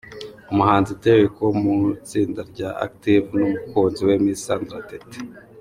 Umuhanzi Derek wo mu itsinda rya Active n’umukunzi we Miss Sandra Teta.